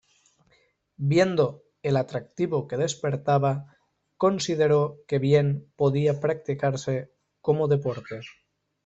Viendo el atractivo que despertaba, consideró que bien podía practicarse como deporte.